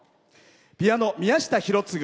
ピアノ、宮下博次。